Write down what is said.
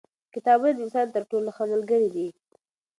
کتابونه د انسان تر ټولو ښه ملګري دي.